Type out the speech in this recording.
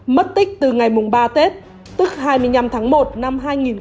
mất tích từ ngày ba tết tức hai mươi năm tháng một năm hai nghìn một mươi hai